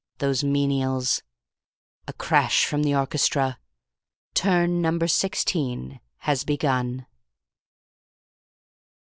Those menials. "A crash from the orchestra. Turn number sixteen has begun...."